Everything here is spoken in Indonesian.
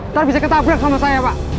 ntar bisa ketabrak sama saya pak